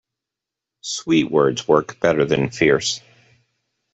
Sweet words work better than fierce.